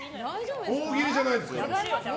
大喜利じゃないですよ。